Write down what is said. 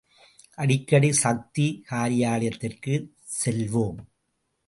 அடிக்கடி சக்தி காரியாலயத்திற்குச் செல்வோம்.